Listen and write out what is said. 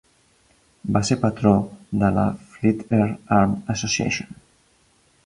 Va ser patró de la Fleet Air Arm Association.